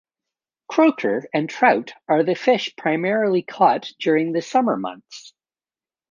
Croaker and trout are the fish primarily caught during the summer months.